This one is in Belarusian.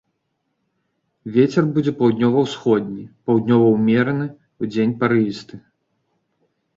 Вецер будзе паўднёва-ўсходні, паўднёвы ўмераны, удзень парывісты.